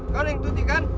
kau yang tutikan